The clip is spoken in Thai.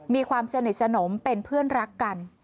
มีความสนิทสนมเป็นเพื่อนรักกัน